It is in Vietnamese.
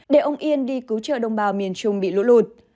để ông yên đi cứu trợ đồng bào miền trung bị lũ lụt